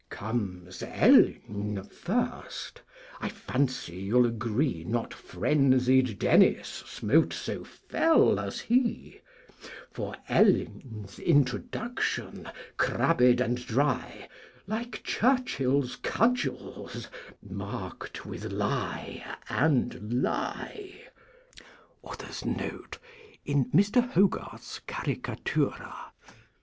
Comes El n first: I fancy you'll agree Not frenzied Dennis smote so fell as he; For El n's Introduction, crabbed and dry, Like Churchill's Cudgel's (2) marked with Lie, and Lie! (2) In Mr Hogarth's Caricatura.